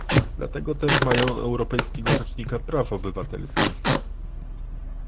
Dlatego też mają Europejskiego Rzecznika Praw Obywatelskich